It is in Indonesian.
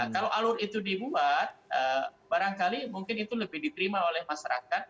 kalau alur itu dibuat barangkali mungkin itu lebih diterima oleh masyarakat